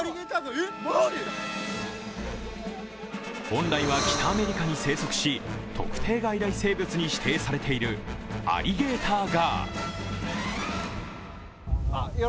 本来は北アメリカに生息し特定外来生物に指定されているアリゲーターガー。